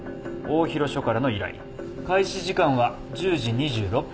開始時間は１０時２６分。